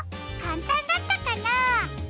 かんたんだったかな？